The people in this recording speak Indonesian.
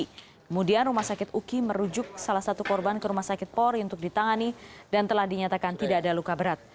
kemudian rumah sakit uki merujuk salah satu korban ke rumah sakit polri untuk ditangani dan telah dinyatakan tidak ada luka berat